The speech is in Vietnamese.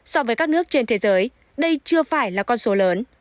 so với các nước trên thế giới đây chưa phải là con số lớn